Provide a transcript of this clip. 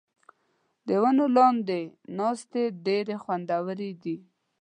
د ونو لاندې ناستې ډېرې خوندورې دي.